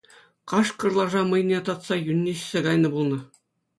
Кашкӑр лаша мӑйне татса юнне ӗҫсе кайнӑ пулнӑ.